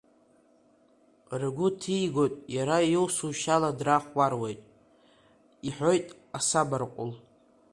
Ргәы ҭигоит иара иусушьала драхәмаруеит, – иҳәоит асамарҟәыл.